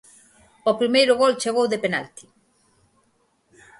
O primeiro gol chegou de penalti.